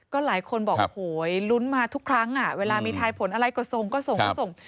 ก็หลายคนบอกโอ้โหลุ้นมาทุกครั้งเวลามีทายผลอะไรก็ส่งก็ส่งก็ส่ง